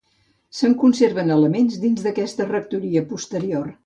Se'n conserven elements, dins d'aquesta rectoria posterior.